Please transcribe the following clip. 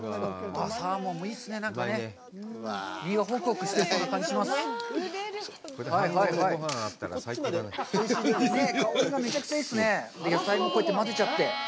野菜もこうやってまぜちゃって。